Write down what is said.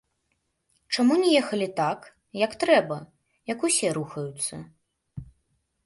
Чаму не ехалі так, як трэба, як усе рухаюцца?